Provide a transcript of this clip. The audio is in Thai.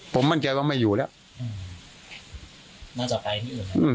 ผมมั่นแจ้ว่าไม่อยู่แล้ว